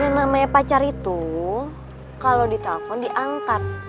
yang namanya pacar itu kalau ditelepon diangkat